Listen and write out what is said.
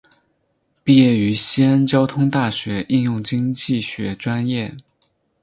毕业于西安交通大学应用经济学专业。